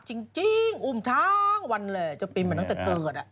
จริงอุ้มทั้งวันเลยเจ้าปินมาตั้งแต่เกิด